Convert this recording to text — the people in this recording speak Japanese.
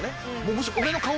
むしろ。